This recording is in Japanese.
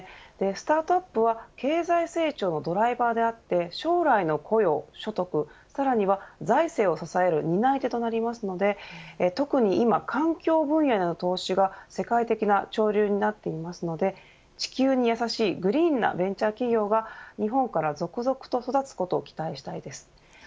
スタートアップは経済成長のドライバーであり将来の雇用、所得さらには財政を支える担い手となるので特に今、環境分野への投資が世界的な潮流になっているので地球に優しいグリーンなベンチャー企業が日本から続々と育つことを期待したいです。